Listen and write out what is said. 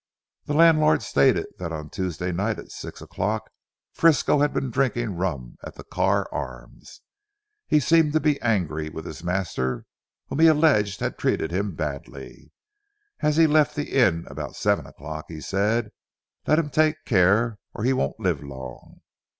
The landlord stated that on Tuesday night at six o'clock Frisco had been drinking rum at the Carr Arms. He seemed to be angry with his master whom he alleged had treated him badly. As he left the inn, about seven o'clock, he said, "let him take care, or he won't live long."